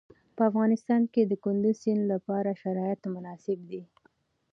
په افغانستان کې د کندز سیند لپاره شرایط مناسب دي.